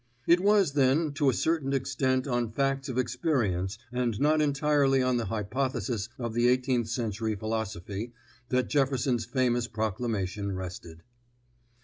It was, then, to a certain extent on facts of experience, and not entirely on the hypothesis of the eighteenth century philosophy, that Jefferson's famous proclamation rested.